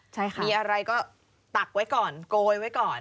ใช่ค่ะมีอะไรก็ตักไว้ก่อนโกยไว้ก่อน